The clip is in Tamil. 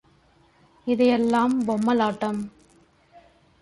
இது எல்லாம் பொம்மலாட்டம்.